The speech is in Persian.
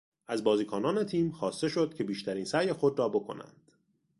از بازیکنان تیم خواسته شد که بیشترین سعی خود را بکنند.